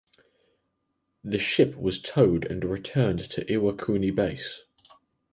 The ship was towed and returned to Iwakuni base.